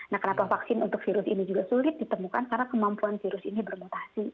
nah kenapa vaksin untuk virus ini juga sulit ditemukan karena kemampuan virus ini bermutasi